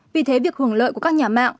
vì thế việc hưởng lợi của các nhà mạng